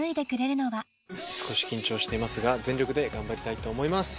少し緊張していますが全力で頑張りたいと思います。